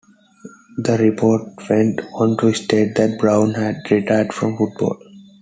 The report went on to state that Brown had retired from football.